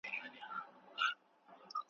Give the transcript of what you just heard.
تر پخوا سره خواږه زاړه یاران سول ,